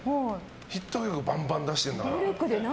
あんだけヒット曲をバンバン出してるんだから。